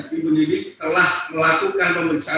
tim penyidik telah melakukan pemeriksaan